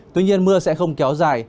tuy nhiên mưa sẽ không kéo dài